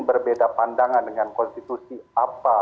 berbeda pandangan dengan konstitusi apa